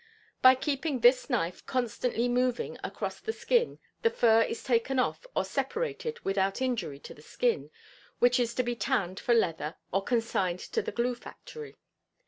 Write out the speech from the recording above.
By keeping this knife constantly moving across the skin the fur is taken off or separated without injury to the skin, which is to be tanned for leather or consigned to the glue factory.